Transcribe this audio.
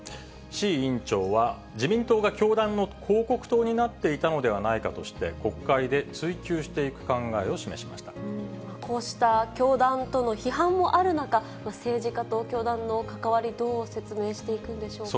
志位委員長は、自民党が教団の広告塔になっていたのではないかと、国会で追及しこうした教団との批判もある中、政治家と教団の関わり、どう説明していくんでしょうか。